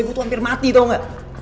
gua tuh hampir mati tau ga